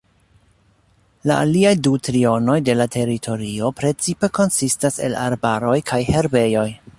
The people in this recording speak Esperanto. La aliaj du trionoj de la teritorio precipe konsistas el arbaroj kaj herbejoj.